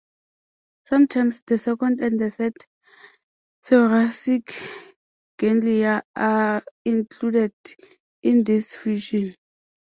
Sometimes the second and the third thoracic ganglia are included in this fusion.